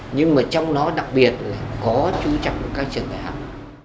nhưng mà trong đó đặc biệt là có chú trọng vào các trường đại học